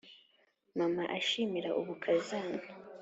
mama ashimira ubukazana.